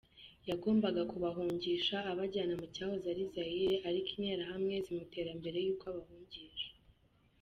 Yagombaga kubahungisha abajyana mu cyahoze ari Zaire ariko Interahamwe zimutera mbere y’uko abahungisha.